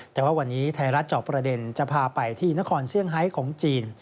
แต่ว่าวันนี้ไทยรัฐจอบประเด็นจะพาไปที่นครเซี่ยงไฮของจีน